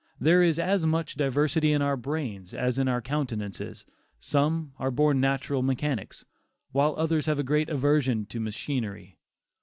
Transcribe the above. There is as much diversity in our brains as in our countenances. Some are born natural mechanics, while some have great aversion to machinery.